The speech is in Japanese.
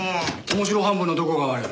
面白半分のどこが悪い？